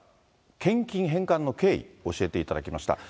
献金返還の経緯、教えていただきました。